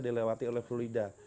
dilewati oleh fluida